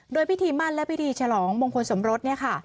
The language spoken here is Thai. โดยพิธีมั่นและพิธีฉลองมงคลสมรสเนี่ยค่ะ